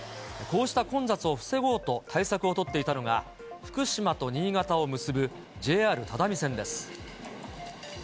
こうした混雑を防ごうと、対策を取っていたのが、福島と新潟を結ぶＪＲ只見線です。